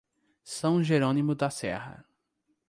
São Jerônimo da Serra